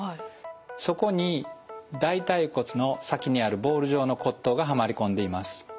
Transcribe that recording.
そこに大腿骨の先にあるボール状の骨頭がはまり込んでいます。